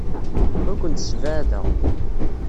Ur kent-ssebɛadeɣ.